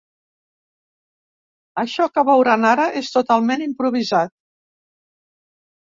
Això que veuran ara és totalment improvisat.